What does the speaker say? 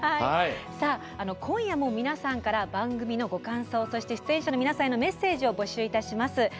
今夜も、皆さんから番組のご感想出演者の皆さんへのメッセージを募集いたします。